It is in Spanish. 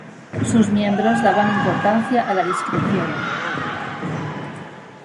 Sus miembros daban importancia a la discreción.